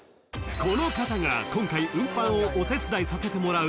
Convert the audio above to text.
［この方が今回運搬をお手伝いさせてもらう］